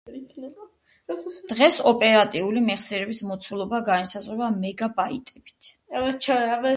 დღეს ოპერატიული მეხსიერების მოცულობა განისაზღვრება მეგა ბაიტებით.